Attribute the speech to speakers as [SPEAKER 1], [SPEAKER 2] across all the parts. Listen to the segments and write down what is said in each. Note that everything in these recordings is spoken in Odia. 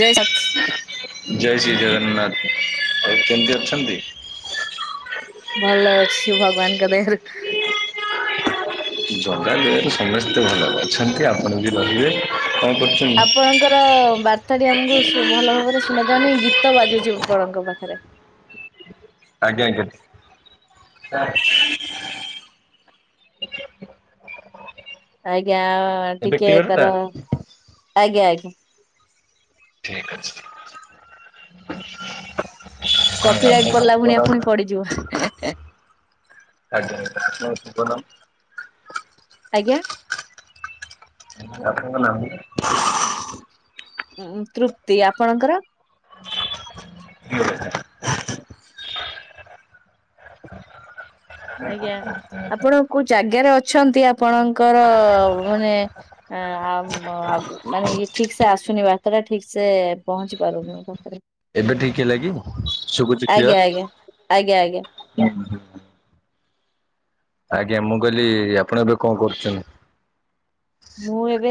[SPEAKER 1] ଜୟ ସାତସ୍
[SPEAKER 2] ଜୟ ଶ୍ରୀ ଜଗନ୍ନାଥ। ଆଉ କେମିତି ଅଛନ୍ତି?
[SPEAKER 1] ଭଲ ଅଛି ଭଗବାନଙ୍କ ଦୟାରୁ।
[SPEAKER 2] ଜଗା ଯେହେତୁ ସମସ୍ତିଙ୍କର ଅଛନ୍ତି ଆପଣ ବି ରହିବେ। କଣ କରୁ
[SPEAKER 1] ଆପଣଙ୍କର ବାର୍ତ୍ତା ଟି ଆମକୁ ଶୁ ଭଲ ଭାବରେ ଶୁଭା ଯାଉନି ଗୀତ ବାଜୁଛି ଆପଣଙ୍କ ପାଖରେ।
[SPEAKER 2] ଆଜ୍ଞା ଆଜ୍ଞା ଟିକେ।
[SPEAKER 1] ଆଜ୍ଞା
[SPEAKER 2] ଏବେ
[SPEAKER 1] ଟିକେ
[SPEAKER 2] କ୍ଲିୟର ହେଲା?
[SPEAKER 1] ତାର ଆଜ୍ଞା ଆଜ୍ଞା।
[SPEAKER 2] ଠିକ୍ ଅଛି। ହଁ
[SPEAKER 1] କପିରାଇଟ୍
[SPEAKER 2] ଆପଣଙ୍କ
[SPEAKER 1] ପଡ଼ିଲା
[SPEAKER 2] ଶୁଭ
[SPEAKER 1] ଭଳିଆ
[SPEAKER 2] ନାମ?
[SPEAKER 1] ପୁଣି ପଡିଯିବ।
[SPEAKER 2] ଆଜ୍ଞା [inaudible]
[SPEAKER 1] ଆଜ୍ଞା?
[SPEAKER 2] ଆପଣଙ୍କ ନାମ?
[SPEAKER 1] ଉଁ-ଉ ତୃପ୍ତି। ଆପଣଙ୍କର?
[SPEAKER 2] [inaudible]
[SPEAKER 1] ଆଜ୍ଞା ଆପଣ କୋଉ ଜାଗାରେ ଅଛନ୍ତି ଆପ୍ ଆପଣଙ୍କର ମାନେ ଏ-ଏ ଆ-ଵ୍-ଵ୍ ମାନେ ଇଏ ଠିକ୍ ସେ ଆସୁନି ବା। କଥାଟା ଠିକ ସେ ପହଞ୍ଚି ପାରୁନି ମୋ ପାଖରେ।
[SPEAKER 2] ଏବେ ଠିକ ହେଲା କି, ଶୁଭୁଛି
[SPEAKER 1] ଆଜ୍ଞା
[SPEAKER 2] କ୍ଲିୟର?
[SPEAKER 1] ଆଜ୍ଞା ଆଜ୍ଞା ଆଜ୍ଞା।
[SPEAKER 2] [inaudible] ଆଜ୍ଞା ମୁଁ କହିଲି ଆପଣ ଏବେ କଁ କରୁଚନ୍ତି।
[SPEAKER 1] ମୁଁ ଏବେ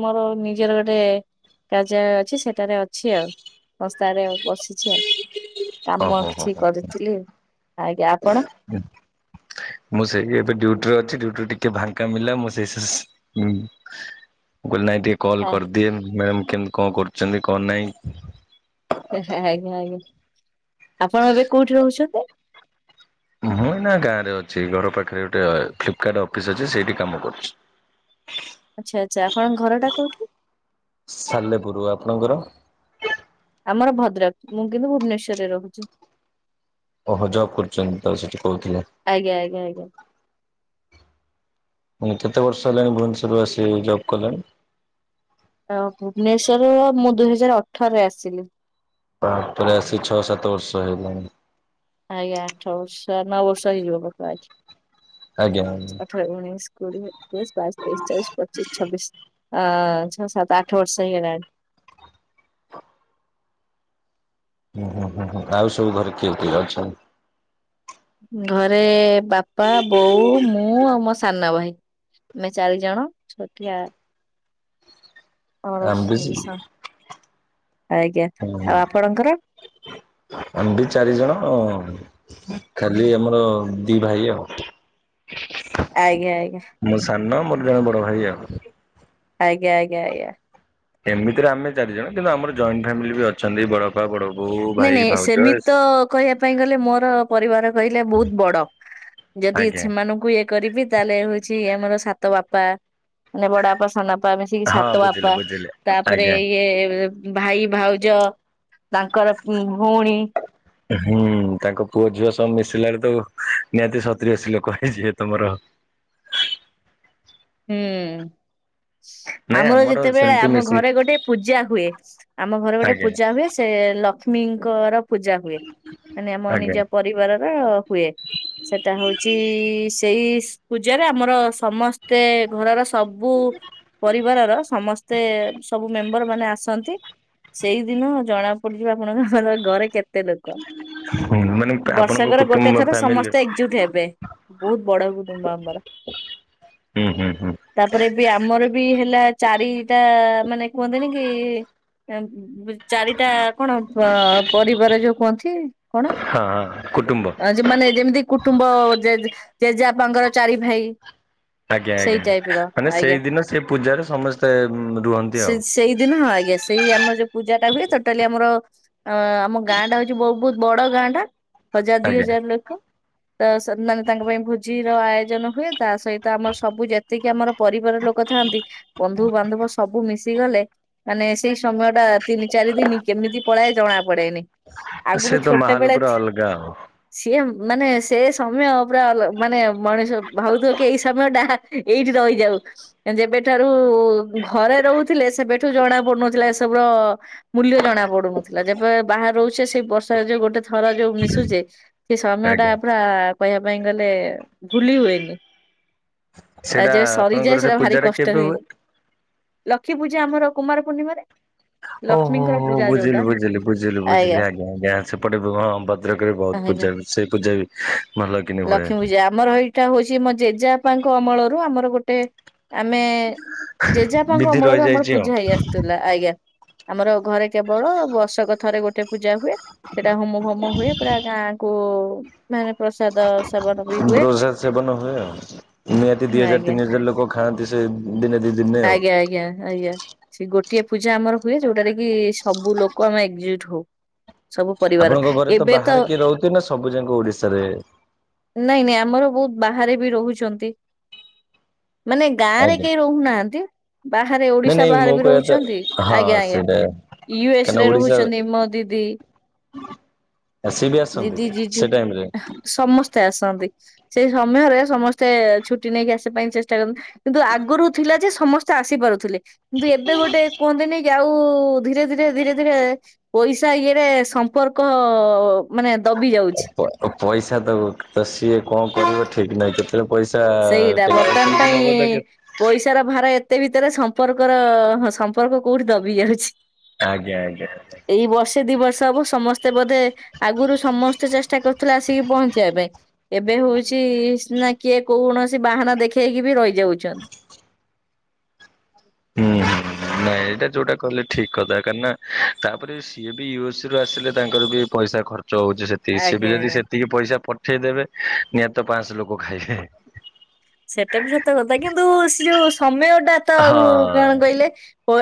[SPEAKER 1] ମୋରୋ ନିଜର ଗୋଟେ କାର୍ଯ୍ୟାଳୟ ଅଛି ସେଠାରେ ଅଛି ଆଉ। ସଂସ୍ଥାରେ ବସିଛି ଆଉ କାମ
[SPEAKER 2] ଓହୋ ହୋ
[SPEAKER 1] କିଛି
[SPEAKER 2] ହୋ।
[SPEAKER 1] କରିଥିଲି ଆଜ୍ଞା ଆପଣ।
[SPEAKER 2] [unintelligible] ମୁଁ ସେଇି ଏବେ ଡ୍ୟୁଟିରେ ଅଛି ଡ୍ୟୁଟିରୁ ଟିକେ ଫାଙ୍କା ମଳିଲା ମୁଁ ସେଇ। [unintelligible] ମୁଁ କହିଲି ନାଇଁ ଟିକେ କଲ
[SPEAKER 1] ହଁ।
[SPEAKER 2] କରିଦିଏ ମ୍ୟାମ୍ କେମ୍ କଁ କରୁଚନ୍ତି କଁ ନାଇଁ।
[SPEAKER 1] [unintelligible] ଆଜ୍ଞା ଆଜ୍ଞା ଆପଣ ଏବେ କୋଉଠି ରୋହୁଛନ୍ତି।
[SPEAKER 2] ମୁଁ ଏଇନା ଗାଁରେ ଅଛି ଘର ପାଖରେ ଗୋଟେ ଫ୍ଲିପ୍ କାର୍ଟ ଅଫିସ ଅଛି ସେଇଠି କାମ କରୁଛି।
[SPEAKER 1] ଆଚ୍ଛା ଆଚ୍ଛା ଆପଣଙ୍କ ଘରଟା କୋଉଠି।
[SPEAKER 2] ସାଲେପୁରୁ ଆପଣଙ୍କର।
[SPEAKER 1] ଆମର ଭଦ୍ରକ ମୁଁ କିନ୍ତୁ ଭୁବନେଶ୍ୱରରେ ରୋହୁଚି।
[SPEAKER 2] ଓହୋ ଜବ୍ କରୁଚନ୍ତି ତ ସେଠି କୋହୁଥିଲେ।
[SPEAKER 1] ଆଜ୍ଞ ଆଜ୍ଞା ଆଜ୍ଞା।
[SPEAKER 2] ମାନେ କେତେ ବର୍ଷ ହେଲାଣି ଭୁବନେଶ୍ୱରରୁ ଆସି ଜବ୍ କଲେଣି।
[SPEAKER 1] ଅଁ ଭୁବନେଶ୍ଵର ମୁଁ ଦୁଇ ହଜାର ଅଠରରେ ଆସିଲି।
[SPEAKER 2] ବାପ୍ ରେ ଆସି ଛଅ ସାତ ବର୍ଷ ହେଲାଣୀ।
[SPEAKER 1] ଆଜ୍ଞା ଆଠ ବର୍ଷ ନଅ ବର୍ଷ ହେଇଯିବ [unintelligible]
[SPEAKER 2] ଆଜ୍ଞା ଆଜ୍ଞା।
[SPEAKER 1] ଠର, ଉଣେଇଶ, କୋଡିଏ, ଏକୋଇଶି, ବାଇଶି, ତେଇଶି, ଚବିଶି, ପଚିଶି, ଛବିଶି। ଅଁ ଛଅ ସାତ ଆଠ ବର୍ଷ ହେଇଗଲାଣି।
[SPEAKER 2] ହୁଁ ହୁଁ ହୁଁ ହୁଁ ଆଉ ସବୁ ଘରେ କିଏ କିଏ ଅଛନ୍ତି?
[SPEAKER 1] ଘରେ ବାପା ବୋଉ ମୁଁ ଆଉ ମୋ ସାନ ଭାଇ। ଆମେ ଚାରି ଜଣ ଛୋଟିଆ ଆମର
[SPEAKER 2] ଆମେ ବି ସେ
[SPEAKER 1] [unintelligible] ଆଜ୍ଞା ଆଉ ଆପଣଙ୍କର।
[SPEAKER 2] ଆମ୍ ବି ଚାରିଜଣ ଅଁ ଖାଲି ଆମର ଦି ଭାଇ ଆଉ।
[SPEAKER 1] ଆଜ୍ଞା ଆଜ୍ଞା।
[SPEAKER 2] ମୁଁ ସାନ ମୋର ଜଣେ ବଡ ଭାଇ ଆଉ।
[SPEAKER 1] ଆଜ୍ଞା ଆଜ୍ଞା ଆଜ୍ଞା।
[SPEAKER 2] ଏମିତିରେ ଆମେ ଚାରିଜଣ କିନ୍ତୁ ଆମର ଜଏଣ୍ଟ ଫ୍ୟାମିଲି ବି ଅଛନ୍ତି ବଡବାପା ବଡବୋଉ।
[SPEAKER 1] ନାଇଁ ନାଇଁ ସେମିତି ତ କହିବା ପାଇଁ ଗଲେ ମୋରୋ ପରିବାର କହିଲେ ବୋହୁତ ବଡ। ଯଦି
[SPEAKER 2] ଆଜ୍ଞା
[SPEAKER 1] ସେମାନଙ୍କୁ ଏକ କରିବି ତାହେଲେ ହୋଉଛି ଆମର ସାତ ବାପା ମାନେ ବଡବାପା ସାନ ବାପା ମାନେ ମିଶିକି ସାତ
[SPEAKER 2] ହଁ ବୁଝିଲି
[SPEAKER 1] ବାପା
[SPEAKER 2] ବୁଝିଲି
[SPEAKER 1] ତାପରେ
[SPEAKER 2] ଆଜ୍ଞା
[SPEAKER 1] ଇଏ ଭାଇ ଭାଉଜ ତାଙ୍କର ଉଁ ଭୋଉଣୀ।
[SPEAKER 2] ହୁଁ ତାଙ୍କ ପୁଅ ଝିଅ ସବୁ ମିଶିଲେ ଆଳୁ ତ ନିହାତି ସତୁରି ଅଶି ଲୋକୋ ହେଇଯିବ ତମର।
[SPEAKER 1] ହୁଁ
[SPEAKER 2] ନାଇଁ
[SPEAKER 1] ଆମର ଯେତେବେଳେ
[SPEAKER 2] ସେମିତି
[SPEAKER 1] ଆମ
[SPEAKER 2] ମିଶି
[SPEAKER 1] ଘରେ ଗୋଟେ ପୂଜା ହୁଏ ଆମ ଘରେ ଗୋଟେ
[SPEAKER 2] ଆଜ୍ଞା
[SPEAKER 1] ପୂଜା ହୁଏ ସେ ଲକ୍ଷ୍ମୀଙ୍କର ପୂଜା ହୁଏ ମାନେ ଆମ
[SPEAKER 2] ଆଜ୍ଞା
[SPEAKER 1] ନିଜ ପରିବାରର ହୁଏ। ସେଟା ହୋଉଛି ସେଇ ପୂଜାରେ ଆମର ସମସ୍ତେ ଘରର ସବୁ ପରିବାରର ସମସ୍ତେ ସବୁ ମେମ୍ବର ମାନେ ଆସନ୍ତି। ସେଇଦିନ ଜଣା ପଡିଯିବ ଆପଣଙ୍କର ଘରେ କେତ୍ ତେ ଲୋକ
[SPEAKER 2] ହୁଁ ମାନେ ଆପଣଙ୍କ
[SPEAKER 1] ବର୍ଷକର ଗୋଟେ
[SPEAKER 2] କୁଟୁମ୍ବ
[SPEAKER 1] ଥର
[SPEAKER 2] ଫ୍ୟାମିଲି
[SPEAKER 1] ସମସ୍ତେ ଏକଜୁଟ୍ ହେବେ। ବୋହୁତ ବଡ କୁଟୁମ୍ବ ଆମର।
[SPEAKER 2] ହୁଁ ହୁଁ ହୁଁ।
[SPEAKER 1] ତାପରେ ବି ଆମର ବି ହେଲା ଚାରିଟା ମାନେ କୁହନ୍ତିନି କି ଏଁ ଚାରିଟା କଣ ପ ପରିବାର ଯୋଉ କୁହନ୍ତି କଣ?
[SPEAKER 2] ହଁ କୁଟୁମ୍ବ
[SPEAKER 1] ଅଁ ଯେ ମାନେ ଯେମିତି କୁଟୁମ୍ବ ଜେଜେ ଜେଜେ ବାପାଙ୍କର ଚାରି ଭାଇ।
[SPEAKER 2] ଆଜ୍ଞା
[SPEAKER 1] ସେଇ
[SPEAKER 2] ଆଜ୍ଞା
[SPEAKER 1] ଟାଇପର
[SPEAKER 2] ମାନେ
[SPEAKER 1] ଆଜ୍ଞା।
[SPEAKER 2] ସେଇଦିନ ସେ ପୂଜାରେ ସମସ୍ତେ ରୁହନ୍ତି
[SPEAKER 1] ସେ
[SPEAKER 2] ଆଉ
[SPEAKER 1] ସେଇଦିନ ଆଜ୍ଞା। ସେଇ ଆମର ଯୋଉ ପୂଜାଟା ହୁଏ, ତୋଟାଲି ଆମର ଅଁ ଆମ ଗାଁ ଟା ହୋଉଚି ବୋହୁତ ବଡ ଗାଁ ଟା। ହଜାର ଦି
[SPEAKER 2] ଆଜ୍ଞା
[SPEAKER 1] ହଜାର ଲୋକ ତ ମାନେ ତାଙ୍କ ପାଇଁ ଭୋଜିର ଆୟୋଜନ ହୁଏ ତା ସହିତ ତ ଆମର ସବୁ ଯେତିକି ଆମର ପରିବାର ଲୋକ ଥାଆନ୍ତି ବନ୍ଧୁବାନ୍ଧବ ସବୁ ମିଶିଗଲେ ମାନେ ସେଇ ସମୟଟା ତିନି ଚାରି ଦିନି କେମିତି ପଳାଏ ଜଣା ପଡେନି।
[SPEAKER 2] ସେ
[SPEAKER 1] ଆଗରୁ
[SPEAKER 2] ତ
[SPEAKER 1] ଛୋଟ
[SPEAKER 2] ମାହୋଲ
[SPEAKER 1] ବେଳେ
[SPEAKER 2] ପୁରା
[SPEAKER 1] ଥି
[SPEAKER 2] ଅଲଗା ଆଉ
[SPEAKER 1] ସିଏ ମାନେ ସେ ସମୟ ପୁରା ଅଲ ମାନେ ମଣିଷ ଭାବୁଥିବ କି ଏଇ ସମୟଟା ଏଇଠି ରହିଯାଉ। ଯେବେଠାରୁ ଘରେ ରହୁଥିଲେ ସେବେଠୁ ଜଣା ପଡୁନଥିଲା ଏସବୁର ମୂଲ୍ୟ ଜଣା ପଡୁନଥିଲା ଯେବେ ବାହରେ ରହୁଛେ ସେଇ ବର୍ଷ ଯୋଉ ଗୋଟେ ଥର ଯୋଉ ମିଶୁଚେ। ସେ ସମୟଟା
[SPEAKER 2] ଆଜ୍ଞା
[SPEAKER 1] ପୁରା କହିବା ପାଇଁ ଗଲେ ଭୁଲି ହୁଏନି। ତା
[SPEAKER 2] ସେଇଟା
[SPEAKER 1] ଯେବେ
[SPEAKER 2] ଆପଣଙ୍କର
[SPEAKER 1] ସରିଯାଏ
[SPEAKER 2] ସେ
[SPEAKER 1] ସେଟା ଭାରି
[SPEAKER 2] ପୂଜାଟା
[SPEAKER 1] କଷ୍ଟ
[SPEAKER 2] କେବେ
[SPEAKER 1] ହୁଏ। ଲକ୍ଷ୍ମୀ ପୂଜା ଆମର କୁମାର ପୂର୍ଣ୍ଣିମାରେ ଲକ୍ଷ୍ମୀଙ୍କର
[SPEAKER 2] ମୁଁ
[SPEAKER 1] ପୂଜା ଯୋଉଟା
[SPEAKER 2] ବୁଝିଲି ବୁଝିଲି ବୁଝିଲୁ ବୁଝିଲି ଆଜ୍ଞା ଆଜ୍ଞା ସେପଟେ ହଁ ଭଦ୍ରକରେ ବହୁତ
[SPEAKER 1] ଆଜ୍ଞା।
[SPEAKER 2] ପୂଜା ସେ ପୂଜା ବି। ଭଲ କିନି ହୁଏ।
[SPEAKER 1] ଲକ୍ଷ୍ମୀ ପୂଜା ଆମର ଏଇଟା ହଉଚି ଆମ ଜେଜେପାଙ୍କ ଅମଳରୁ ଆମର ଗୋଟେ ଆମେ ଜେଜେବାପାଙ୍କ
[SPEAKER 2] ବିଧି
[SPEAKER 1] ଅମଳରୁ ଆମର
[SPEAKER 2] ରହିଯାଇଛି ଆଉ
[SPEAKER 1] ପୂଜା ହେଇ ଆସୁ ଥିଲା ଆଜ୍ଞା ଆମର ଘରେ କେବଳ ବର୍ଷକ ଥରେ ଗୋଟେ ପୂଜା ହୁଏ ସେଟା ହୋମ ଫୋମ ହୁଏ ପୁରା ଗାଁ କୁ ମାନେ ପ୍ରସାଦ ସେବନ ବି ହୁଏ।
[SPEAKER 2] ପ୍ରସାଦ ସେବନ ହୁଏ ଆଉ ନିହାତି ଦିଇ ହଜାର
[SPEAKER 1] ଆଜ୍ଞା
[SPEAKER 2] ତିନି ହଜାର ଲୋକ ଖାଆନ୍ତି ସେ ଦିନେ ଦିଇ ଦିନରେ।
[SPEAKER 1] ଆଜ୍ଞା ଆଜ୍ଞା। ସେ ଗୋଟିଏ ପୂଜା ଆମର ହୁଏ ଯୋଉଟାରେ କି ସବୁ ଲୋକ ଆମେ ଏକଜୁଟ ହଉ। ସବୁ ପରିବାର
[SPEAKER 2] ଆପଣଙ୍କ ଘରେ ତ
[SPEAKER 1] ଏବେ
[SPEAKER 2] ବାହାରେ କିଏ ରହୁଥିବେ ନା ସବୁ ଯାକ ଓଡିଶାରେ।
[SPEAKER 1] ନାଇଁ ନାଇଁ ଆମର ବହୁତ ବାହାରେ ବି ରହୁଚନ୍ତି। ମାନେ ଗାଁ ରେ
[SPEAKER 2] ଆଜ୍ଞା
[SPEAKER 1] କେହି ରହୁନାହାନ୍ତି। ବାହାରେ
[SPEAKER 2] ନାଇଁ
[SPEAKER 1] ଓଡିଶା
[SPEAKER 2] ନାଇଁ
[SPEAKER 1] ବାହାରେ
[SPEAKER 2] ମୁଁ
[SPEAKER 1] ବି
[SPEAKER 2] କହିବା ତ
[SPEAKER 1] ରହୁଚନ୍ତି
[SPEAKER 2] ହଁ
[SPEAKER 1] ଆଜ୍ଞା ଆଜ୍ଞା।
[SPEAKER 2] ସେଇଟା
[SPEAKER 1] ୟୁ ଏସ୍
[SPEAKER 2] କାହିଁକିନା
[SPEAKER 1] ରେ
[SPEAKER 2] ଓଡିଶା
[SPEAKER 1] ରହୁଚନ୍ତି ମୋ ଦିଦି।
[SPEAKER 2] ସିଏ ବି
[SPEAKER 1] ଦିଦି
[SPEAKER 2] ଆସନ୍ତି
[SPEAKER 1] ଜିଜୁ
[SPEAKER 2] ସେ ଟାଇମରେ।
[SPEAKER 1] ସମସ୍ତେ ଆସନ୍ତି ସେଇ ସମୟରେ ସମସ୍ତେ ସେ ଛୁଟି ନେଇକି ଆସିବା ପାଇଁ ଚେଷ୍ଟା କରନ୍ତି କିନ୍ତୁ ଆଗରୁ ଥିଲା ଯେ ସମସ୍ତେ ଆସିପାରୁଥିଲେ। କିନ୍ତୁ ଏବେ ଗୋଟେ କୁହନ୍ତି ନାଇ କି ଆଉ ଧୀରେ ଧୀରେ ଧୀରେ ଧୀରେ ପଇସା ଇଏରେ ସମ୍ପର୍କ ମାନେ ଦବି ଯାଉଛି।
[SPEAKER 2] ପଇସା ଦବ ତ ସିଏ କଣ କରିବ ଠିକ ନାହିଁ କେତେ ସେ ପଇସା
[SPEAKER 1] ସେଇଟା ବର୍ତ୍ତମାନ ପାଇଁ
[SPEAKER 2] [unintelligible]
[SPEAKER 1] ପଇସାର ଭାର ଏତେ ଭିତରେ ସମ୍ପର୍କର ହଁ ସମ୍ପର୍କ କୋଉଠି ଦବି ଯାଉଛି।
[SPEAKER 2] ଆଜ୍ଞା ଆଜ୍ଞା।
[SPEAKER 1] ଏଇ ବର୍ଷେ ଦି ବର୍ଷ ହବ ସମସ୍ତେ ବୋଧେ ଆଗରୁ ସମସ୍ତେ ଚେଷ୍ଟା କରୁଥିଲେ ଆସିକି ପହଞ୍ଚିବା ପାଇଁ ଏବେ ହଉଚି ନା କିଏ କୌଣସି ବାହାନା ଦେଖେଇକି ବି ରହିଯାଉଛନ୍ତି।
[SPEAKER 2] ହୁଁ ହୁଁ ହୁଁ। ନାଇଁ ଏଇଟା ଯୋଉଟା କହିଲେ ଠିକ କଥା କାହିଁକି ନା ତାପରେ ସିଏ ବି ୟୁ ଏସ୍ ରୁ ଆସିଲେ ତାଙ୍କର ବି ପଇସା ଖର୍ଚ୍ଚ। ହଇଚି ସେତିକି ସି
[SPEAKER 1] ଆଜ୍ଞା
[SPEAKER 2] ବି ଯଦି
[SPEAKER 1] ଆଜ୍ଞା
[SPEAKER 2] ସେତିକି ପଇସା ପଠେଇଦେବେ ନିହାତି ତ ପାଶହ ଲୋକ ଖାଇବେ।
[SPEAKER 1] ସେଟା ବି ସତ କଥା କିନ୍ତୁ ସେ ଯୋଉ ସମୟଟା
[SPEAKER 2] ହଁ
[SPEAKER 1] କଣ କହିଲେ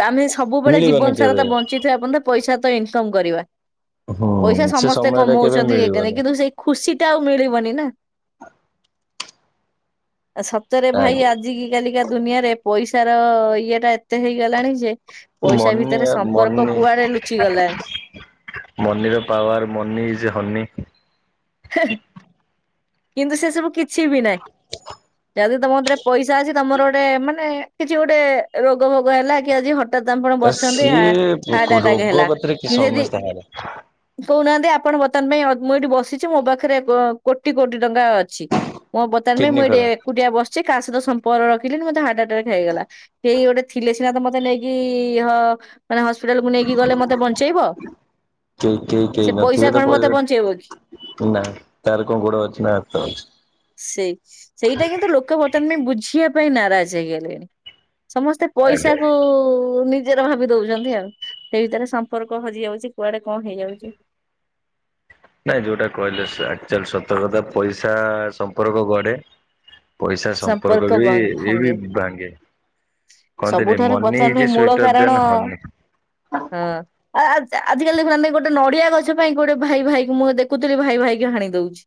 [SPEAKER 1] ଆମେ ସବୁବେଳେ
[SPEAKER 2] ମିଳିବନି
[SPEAKER 1] ଜୀବନ ସାରା
[SPEAKER 2] କେବେ।
[SPEAKER 1] ତ ବଞ୍ଚି ଞ୍ଚି ଥିବା ପନ୍ତେ ପଇସା ପାଇଁ ଇନକମ୍ କରିବା ପଇସା
[SPEAKER 2] ହୁଁ ସେ
[SPEAKER 1] ସମସ୍ତେ
[SPEAKER 2] ସମୟ ଟା କେବେ
[SPEAKER 1] କମଉଛନ୍ତି
[SPEAKER 2] ମିଳିବନି
[SPEAKER 1] କିନ୍ତୁ ସେ ଖୁସି ଟା ଆଉ ମିଳିବନି ନା। ଆ ସତରେ ଭାଇ
[SPEAKER 2] ଆଜ୍ଞା
[SPEAKER 1] ଆଜ କାଲିକା ଦୁନିଆରେ ପଇସାର ଇଏ ଟା ଏତେ ହେଇଗଲାଣି ଯେ ପଇସା
[SPEAKER 2] ମନି
[SPEAKER 1] ଭିତରେ ସମ୍ପର୍କ
[SPEAKER 2] ମନି
[SPEAKER 1] କୁଆଡେ ଲୁଚିଗଲାଣି।
[SPEAKER 2] ମନିର ପାୱାର ମନି ଇଜ ହନି।
[SPEAKER 1] [unintelligible] କିନ୍ତୁ ସେ ସବୁ କିଛି ବି ନାଇଁ। ଯଦି ତମ କତିରେ ପଇସା ଅଛି ତମର ଗୋଟେ ମାନେ କିଛି ଗୋଟେ ରୋଗ ଭୋଗ ହେଲା କି ଆଜି ହ ଠାତ୍ ଆପଣ ବସିଚନ୍ତି ହା
[SPEAKER 2] ସିଏ
[SPEAKER 1] ହାର୍ଟଆଟାକ
[SPEAKER 2] ରୋଗ
[SPEAKER 1] ହେଲା
[SPEAKER 2] କତିରେ
[SPEAKER 1] କି ଯଦି
[SPEAKER 2] ସମସ୍ତେ ହାରେ
[SPEAKER 1] କହୁନାହାନ୍ତି ଆପଣ ବର୍ତ୍ତମାନ ଅ ପାଇଁ ମୁଁ ଏଠି ବସିଚି ମୋ ପାଖରେ କ କୋଟି କୋଟି ଟଙ୍କା ଅଛି। ମୋ ବର୍ତମାନ ପାଇଁ
[SPEAKER 2] କିଡନୀ
[SPEAKER 1] ମୁଁ ଏଠି
[SPEAKER 2] ଖରାପ
[SPEAKER 1] ଏକୁଟିଆ ବସିଚି କାହା ସହିତ ସମ୍ପର୍କ ରଖିନିଲି ମତେ ହାର୍ଟଆଟାକ ହେଇଗଲା କେଇ ଗୋଟେ ଥିଲେ ସିନା ତ ମତେ ନେଇକି ହ ମାନେ ହସ୍ପିଟାଲକୁୁ ନେଇକି ଗଲେ ମତେ ବଞ୍ଚେଇବ
[SPEAKER 2] କେହି କେହି
[SPEAKER 1] ସେ
[SPEAKER 2] କେହି ନଥିବେ
[SPEAKER 1] ପଇସା
[SPEAKER 2] ତ
[SPEAKER 1] କଣ ମତେ
[SPEAKER 2] ପଇସା
[SPEAKER 1] ବଞ୍ଚେଇବ କି।
[SPEAKER 2] ନା ତାର କଣ ଗୋଡ ଅଛି ନା ହାତ ଅଛି।
[SPEAKER 1] ସେଇ ସେଇଟା କିନ୍ତୁ ଲୋକ ବର୍ତ୍ତମାନ ପାଇଁ ବୁଝିବା ପାଇଁ ନାରାଜ ହେଇଗଲେଣି ସମସ୍ତେ
[SPEAKER 2] ଆଜ୍ଞା
[SPEAKER 1] ପଇସା କୁ ନି ଜର ଭାବି ଦଉଚନ୍ତି ଆଉ ସେଇ ଭିତରେ ସମ୍ପର୍କ ହଜି ଯାଉଚି କୁଆଡେ କଣ ହେଇଯାଉଚି।
[SPEAKER 2] ନାଇଁ ଯୋଉଟା କହିଲେ ସ ଆକ୍ଚୁଆଲି ସତ କଥା ପଇସା ସମ୍ପର୍କ ଗଢେ। ପଇସା ସମ୍ପର୍କ ବି ଏ ବି ଭାଙ୍ଗେ। କହନ୍ତିନି
[SPEAKER 1] ସବୁଠାରୁ
[SPEAKER 2] ମନି
[SPEAKER 1] ପଚାର
[SPEAKER 2] ଇଜ
[SPEAKER 1] ପାଇଁ
[SPEAKER 2] ଏ
[SPEAKER 1] ମୂଳ
[SPEAKER 2] ସ୍ଵିଟର
[SPEAKER 1] କାରଣ
[SPEAKER 2] ଦେନ ହନି।
[SPEAKER 1] ହଁ। ଆ ଆଜି ଆଜିକାଲି ଦେଖୁନାହାନ୍ତି ଗୋଟେ ନଡିଆ ଗଛ ପାଇଁ ଗୋଟେ ଭାଇ ଭାଇକି ମୁଁ ଦେଖୁଥିଲି ଭାଇ ଭାଇକି ହାଣି ଦୋଉଚି।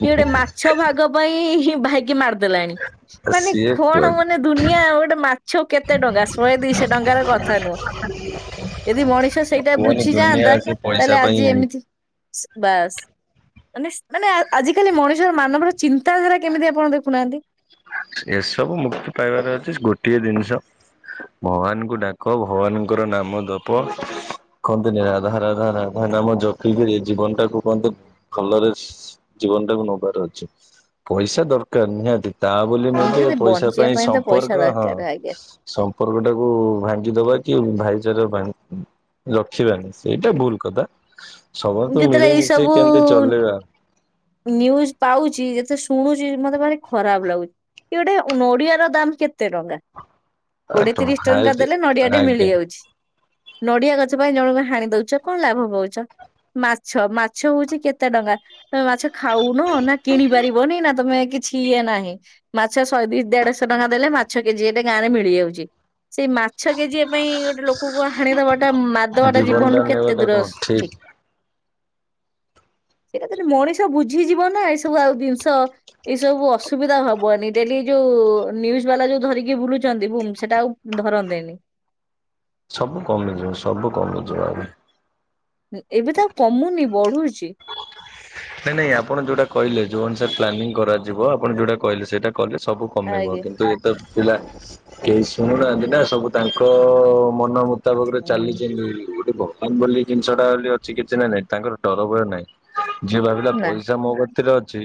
[SPEAKER 1] କି ଗୋଟେ ମାଛ ଭାଗ ପାଇଁ ହିଁ ଭାଇକି ମାରିଦେଲାଣି। ମାନେ
[SPEAKER 2] ସିଏ
[SPEAKER 1] କଣ
[SPEAKER 2] କୁହ
[SPEAKER 1] ମାନେ ଦୁନିଆ ଗୋଟେ ମାଛ କେତେ ଟଙ୍କା ଶହେ ଦୁଇ ଶହ ଟଙ୍କାର କଥା ନୁହଁ।
[SPEAKER 2] [inaudible]
[SPEAKER 1] ଯଦି ମଣିଷ ସେଇଟା
[SPEAKER 2] କୁହନି ଦୁନିଆ
[SPEAKER 1] ବୁଝିଯାଆନ୍ତା
[SPEAKER 2] ସେ ପଇସା
[SPEAKER 1] ତାହେଲେ
[SPEAKER 2] ପାଇଁ
[SPEAKER 1] ଆଜି ଏମିତି ବାସ୍ ମାନେସ୍ ମାନେ ଆଜିକାଲି ମଣିଷର ମାନବର ଚିନ୍ତାଧାରା କେମିତି ଆପଣ ଦେଖୁନାହାନ୍ତି।
[SPEAKER 2] ଏସବୁ ମୁକ୍ତି ପାଇବାର ଅଛି ଗୋଟିଏ ଜିନିଷ ଭଗବାନଙ୍କୁ ଡା କ ଭଗବାନଙ୍କର ନାମ ଜପ। କହନ୍ତିନି ରାଧା ରାଧା ରାଧା ନାମ ଜପିକିରି ଏ ଜୀବନଟାକୁ କହନ୍ତିନି ଭଲରେ ଜୀବନଟାକୁ ନବାର ଅଛି ପଇସା ଦରକାର ନିହାତି। ତା ବୋଲି ନୁହେଁ ଯେ
[SPEAKER 1] ନିହାତି
[SPEAKER 2] ପଇସା
[SPEAKER 1] ବଞ୍ଚିବା
[SPEAKER 2] ପାଇଁ
[SPEAKER 1] ତ ପଇସା
[SPEAKER 2] ସମ୍ପର୍କ ହଁ।
[SPEAKER 1] ଦରକାର ଆଜ୍ଞା।
[SPEAKER 2] ସମ୍ପର୍କଟାକୁ ଭାଙ୍ଗି ଦବା କି ଭାଇଚାରା ଭା ରଖିବାନି ସେଇଟା ଭୁଲ କଥା
[SPEAKER 1] ମୁଁ
[SPEAKER 2] ସମସ୍ତେ
[SPEAKER 1] ଯେତେବେଳେ ଏଇ
[SPEAKER 2] ମିଳିମିଶି
[SPEAKER 1] ସବୁ
[SPEAKER 2] କେମତି ଚଲେଇବା।
[SPEAKER 1] ନ୍ୟୁଜ ପାଉଚି ଯେତେ ଶୁଣୁଚି ମତେ ଭାରି ଖରାପ ଲାଗୁ କିଏ ଗୋଟେ ନଡିଆର ଦାମ କେତେ ଟଙ୍କା।
[SPEAKER 2] ଆ
[SPEAKER 1] କୋଡିଏ ତିରିଶ ଟଙ୍କା
[SPEAKER 2] ହାଇଟ
[SPEAKER 1] ଦେଲେ ନଡିଆଟେ
[SPEAKER 2] ଆଜ୍ଞା
[SPEAKER 1] ମିଳିଯାଉଛି। ନଡିଆ ଗଛ ପାଇଁ ଜଣଙ୍କୁ ହାଣି ଦଉଚ। କଣ ଲାଭପାଉଚ ମାଛ ମାଛ ହଉଚି କେତେ ଟଙ୍କା। ତମେ ମାଛ ଖାଉନ ନା କିଣି ପାରିବନି ନା ତମେ କି ଛି ଇଏ ନାହିଁ ମାଛ ଶହେ ଦୁ ଦେଢଶହ ଟଙ୍କା ଦେଲେ ମାଛ କେଜି ଏଟେ ଗାଁ ରେ ମିଳିଯାଉଚି। ସେଇ ମାଛ କେଜିିଏ ପାଇଁ ଗୋଟେ ଲୋକଙ୍କୁ ହାଣିଦବାଟା ମାରି ଦବାଟା
[SPEAKER 2] ଜୀବନ ଟା
[SPEAKER 1] ଜୀବନରୁ କେ
[SPEAKER 2] ନେବାଟା କଣ [inaudible]
[SPEAKER 1] ସେଇଟା ଯଦି ମଣିଷ ବୁଝିଯିବ ନା ଏ ସବୁ ଆଉ ଜିନିଷ ଏଇ ସବୁ ଅସୁବିଧା ହବନି ଡେଲି ଯୋଉ ନ୍ୟୁଜ ବାଲା ଯୋଉ ଧରିକି ବୁଲୁଛନ୍ତି ଭୂମ୍ ସେଟା ଆଉ ଧରନ୍ତେନି।
[SPEAKER 2] ସବୁ କମିଯିବ ସବୁ କମିଯିବ ଆଜ୍ଞା।
[SPEAKER 1] ଉଁ ଏବେ ତ ଆଉ କମୁନି ବଢୁଚି।
[SPEAKER 2] ନାଇଁ ନାଇଁ ଆପଣ ଯୋଉଟା କହିଲେ ଯୋଉ ଅନୁସାରେ ପ୍ଲାନିଂ କରାଯିବ ଆପଣ ଯୋଉଟା କହିଲେ ସେଇଟା କଲେ ସବୁ କମିବ
[SPEAKER 1] ଆଗେ।
[SPEAKER 2] କିନ୍ତୁ ଏ ତ ପିଲା କେହି ଶୁଣୁନାହାନ୍ତି ନା ସବୁ ତାଙ୍କ ମନ ମୁ ତାବକ ରେ
[SPEAKER 1] ହୁଁ
[SPEAKER 2] ଚାଲିଚି ଏମିତି ଗୋଟେ ଭଗବାନ ବୋଲି ଜିନିଷଟା ବୋଲି ଅଛି କିଛି ନା ନାଇଁ ତାଙ୍କର ଡର ଭୟ ନାହିଁ। ଯିଏ ଭାବିଲା
[SPEAKER 1] ନା
[SPEAKER 2] ପଇସା ମୋ କତିରେ ଅଛି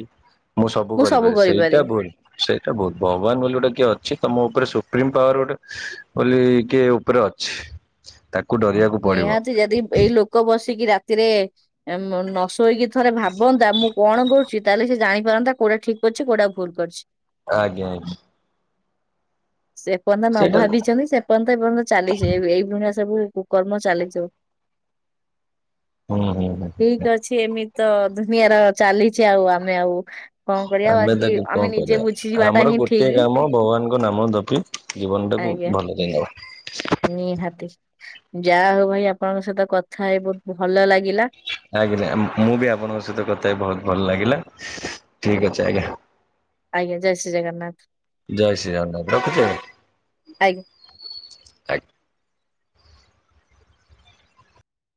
[SPEAKER 2] ମୁଁ ସବୁ କରିପାରିବି ସେଇଟା ଭୁଲ। ସେଇଟା ଭୁଲ୍ ଭଗବାନ ବୋଲି ଗୋଟେ କିଏ ଅଛି ତମ ଉପରେ ସୁପ୍ରିମ ପାୱାର ଗୋଟେ ବୋଲି କିଏ ଉପରେ ଅଛି ତାକୁ ଡରିବାକୁ ପଡିବ।
[SPEAKER 1] କ ବସିକି ରାତିରେ ଏ ମ ନ ଶୋଇକି ଥରେ ଭାବନ୍ତା ମୁଁ କଣ କରୁଚି ତାହେଲେ ସେ ଜାଣିପାରନ୍ତା କୋଉଟା ଠିକ କରୁଚି କୋଉଟା ଭୁଲ କରି ଚି।
[SPEAKER 2] ଆଜ୍ଞା ଆଜ୍ଞା।
[SPEAKER 1] ସେଫ ଏପର୍ଯ୍ୟନ୍ତ ନ
[SPEAKER 2] ସେଇଟା
[SPEAKER 1] ଭାବିଛନ୍ତି ସେପର୍ଯ୍ୟନ୍ତ ଏପର୍ଯ୍ୟନ୍ତ ଚାଲିଛି ଏ ଏଇଭଳିଆ ସବୁ କୁକର୍ମ ଚାଲିଚି।
[SPEAKER 2] ହୁଁ ହୁଁ ହୁଁ ହୁଁ ହୁଁ।
[SPEAKER 1] ଛି ଏମିତି ତ ଦୁନିଆର ଚାଲିଛି ଆଉ ଆମେ ଆଉ। କଣ କରିବା
[SPEAKER 2] ଆମେ
[SPEAKER 1] ବାକି
[SPEAKER 2] ତାକୁ
[SPEAKER 1] ଆମେ
[SPEAKER 2] କଣ
[SPEAKER 1] ନିଜେ
[SPEAKER 2] କରିଆ?
[SPEAKER 1] ବୁଝିଯିବାଟା
[SPEAKER 2] ଆମର
[SPEAKER 1] ହିଁ
[SPEAKER 2] ଗୋଟିଏ
[SPEAKER 1] ଠିକ
[SPEAKER 2] କାମ ଭଗବାନଙ୍କ ନାମ ଦପି ଜୀବନଟାକୁ
[SPEAKER 1] ଆଜ୍ଞା
[SPEAKER 2] ଭଲରେ ନେବା।
[SPEAKER 1] ନିହାତି ଯାହା ହଉ ଭାଇ ଆପଣଙ୍କ ସହିତ କଥା ହେଇ ବହୁତ ଭଲ ଲାଗିଲା।
[SPEAKER 2] [unintelligible] ମୁଁ ମୁଁ ବି ଆପଣଙ୍କ ସହିତ କଥା ହେଇ ବହୁତ ଭଲ ଲାଗିଲା। ଠିକ ଅଛି ଆଜ୍ଞା
[SPEAKER 1] ଆଜ୍ଞା ଜୟ ଶ୍ରୀ ଜଗନ୍ନାଥ
[SPEAKER 2] ଜୟ ଶ୍ରୀ ଜଗନ୍ନାଥ ରଖୁଛି ଆଜ୍ଞା।
[SPEAKER 1] ଆ